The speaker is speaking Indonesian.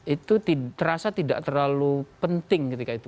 itu terasa tidak terlalu penting ketika itu